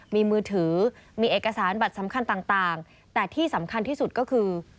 มีมือถือมีเอกสารบัตรสำคัญต่างแต่ที่สำคัญที่สุดก็คือ